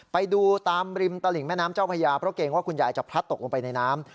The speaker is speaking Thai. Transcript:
ไปดูตามริมตลิ่งแม่น้ำเจ้าพญาเพราะเกรงว่าคุณยายจะพลัดตกลงไปในน้ำ